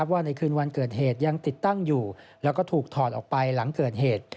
ว่าในคืนวันเกิดเหตุยังติดตั้งอยู่แล้วก็ถูกถอดออกไปหลังเกิดเหตุ